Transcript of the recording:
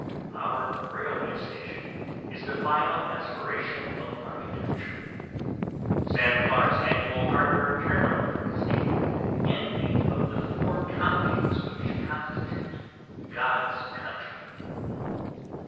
Our railway station is the final aspiration of architecture. Sam Clark's annual hardware turnover is the envy of the four counties which constitute God's Country.